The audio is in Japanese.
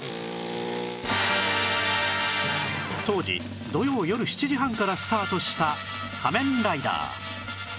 当時土曜よる７時半からスタートした『仮面ライダー』